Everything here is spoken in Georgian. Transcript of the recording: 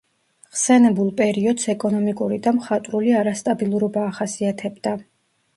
ხსენებულ პერიოდს ეკონომიკური და მხატვრული არასტაბილურობა ახასიათებდა.